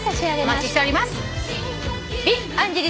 お待ちしております。